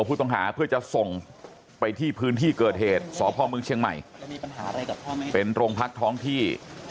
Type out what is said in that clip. เป็นโรงพัฒน์ท้องพี่